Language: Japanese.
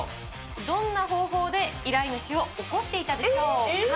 どんな方法で依頼主を起こしていたでしょうか。